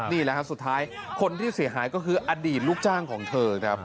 นี่แหละฮะสุดท้ายคนที่เสียหายก็คืออดีตลูกจ้างของเธอครับ